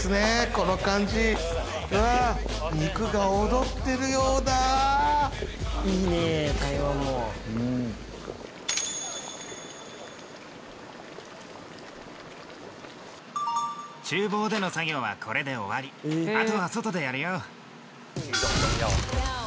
この感じ肉が踊ってるようだ・厨房での作業はこれで終わりあとは外でやるよ